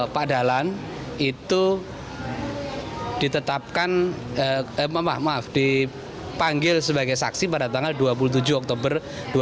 pak dahlan itu ditetapkan maaf dipanggil sebagai saksi pada tanggal dua puluh tujuh oktober dua ribu enam belas